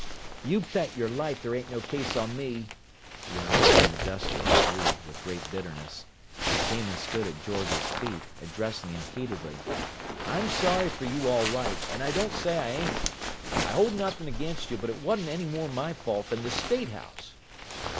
"You bet your life they ain't no case on me!" the young man in the duster agreed, with great bitterness. He came and stood at George's feet, addressing him heatedly: "I'm sorry fer you all right, and I don't say I ain't. I hold nothin' against you, but it wasn't any more my fault than the statehouse!